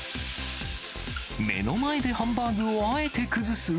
目の前でハンバーグをあえて崩す？